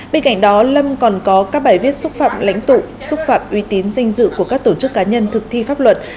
bên cạnh đó lâm còn có các bài viết xúc phạm lãnh tụ xúc phạm uy tín danh dự của các tổ chức cá nhân thực thi pháp luật